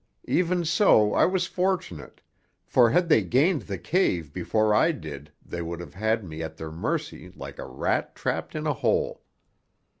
Even so I was fortunate, for had they gained the cave before I did they would have had me at their mercy like a rat trapped in a hole.